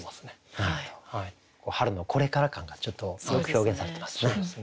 春のこれから感がちょっとよく表現されてますね。